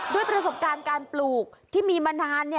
ด้วยประสบการณ์การปลูกที่มีมานาน